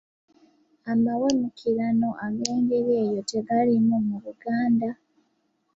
Amawemukirano ag’engeri eyo tegaalimu mu Buganda.